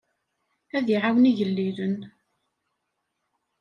Ad iɛawen igellilen.